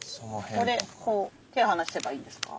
ここでこう手を離せばいいんですか？